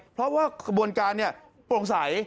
เพราะว่ากระบวนการปลงสัย